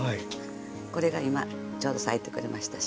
これが今ちょうど咲いてくれましたしね。